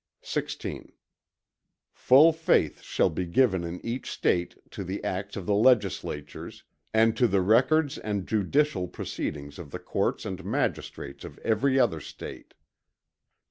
XVI Full faith shall be given in each State to the acts of the Legislatures, and to the records and judicial proceedings of the courts and magistrates of every other State.